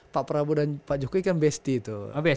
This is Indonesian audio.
pak prabowo dan pak jokowi kan besti tuh